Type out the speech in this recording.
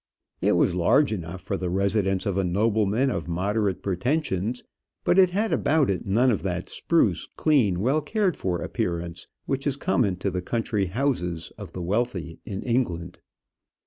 It was large enough for the residence of a nobleman of moderate pretensions; but it had about it none of that spruce, clean, well cared for appearance which is common to the country houses of the wealthy in England.